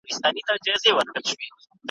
د پرديو په مرسته واک ونيوی